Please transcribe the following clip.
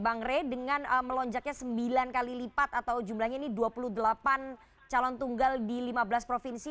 bang rey dengan melonjaknya sembilan kali lipat atau jumlahnya ini dua puluh delapan calon tunggal di lima belas provinsi